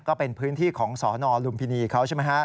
ก็เป็นพื้นที่ของสนลุมพินีเขาใช่ไหมฮะ